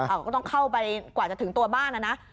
ก็ต้องเข้าไปกว่าจะถึงตัวบ้านนะนะ